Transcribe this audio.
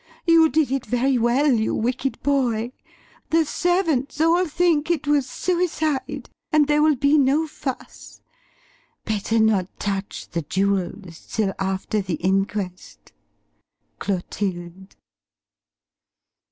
You did it very well, you wicked boy, the servants all think it was suicide, and there will be no fuss. Better not touch the jewels till after the inquest. "CLOTILDE."